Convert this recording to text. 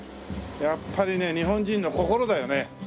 やっぱりね日本人の心だよね。